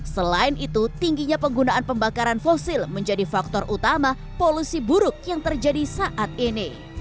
selain itu tingginya penggunaan pembakaran fosil menjadi faktor utama polusi buruk yang terjadi saat ini